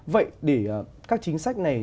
vậy để các chính sách này